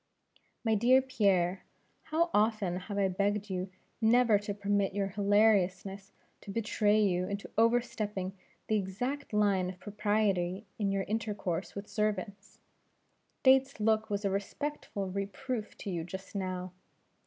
"My dear Pierre, how often have I begged you never to permit your hilariousness to betray you into overstepping the exact line of propriety in your intercourse with servants. Dates' look was a respectful reproof to you just now.